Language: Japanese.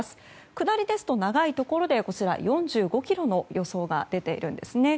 下りですと長いところで４５ｋｍの予想が出ているんです。